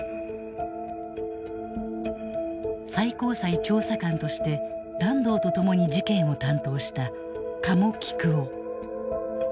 最高裁調査官として團藤と共に事件を担当した加茂紀久男。